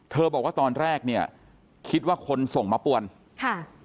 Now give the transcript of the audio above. บอกว่าตอนแรกเนี่ยคิดว่าคนส่งมาปวนค่ะ